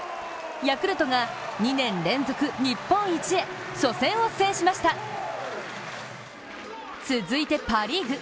ヤクルトが２年連続日本一へ、初戦を制しました続いて、パ・リーグ。